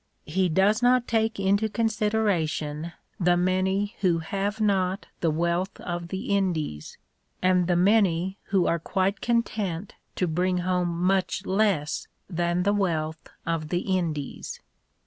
He does not take into consideration the many who have not the wealth of the Indies, and the many who are quite content to bring home much less than the wealth of the Indies.